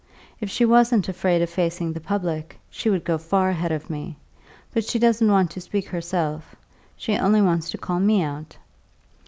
If she wasn't afraid of facing the public, she would go far ahead of me. But she doesn't want to speak herself; she only wants to call me out.